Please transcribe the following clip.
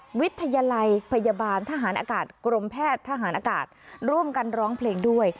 วิทยาลัยพยาบาลทหารอากาศกรมแพทย์ทหารอากาศร่วมกันร้องเพลงด้วย